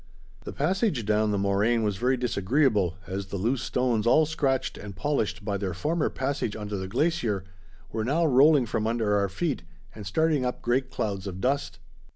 The passage down the moraine was very disagreeable, as the loose stones all scratched and polished by their former passage under the glacier were now rolling from under our feet and starting up great clouds of dust.